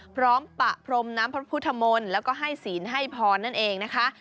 ปะพรมน้ำพระพุทธมนต์แล้วก็ให้ศีลให้พรนั่นเองนะคะ